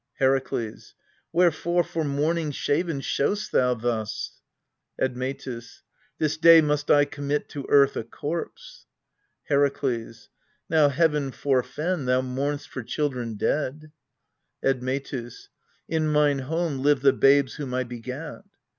Herakles. Wherefore, for mourning shaven, showst thou thus ? Admetus. This day must I commit to earth a corpse. Herakles. Now Heaven forefend thou mournst for children dead ! Admetus. In mine home live the babes whom I begat.